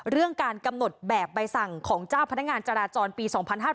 เรื่องการกำหนดแบบใบสั่งของเจ้าพนักงานจราจรปี๒๕๕๙